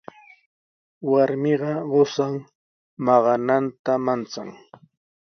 Warmiqa qusan maqananta manchan.